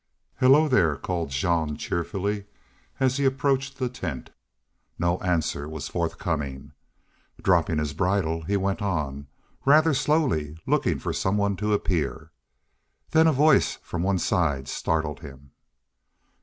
"Hello there!" called Jean, cheerfully, as he approached the tent. No answer was forthcoming. Dropping his bridle, he went on, rather slowly, looking for some one to appear. Then a voice from one side startled him.